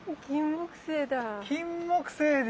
キンモクセイだ。